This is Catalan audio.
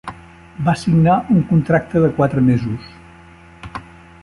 Va signar un contracte de quatre mesos.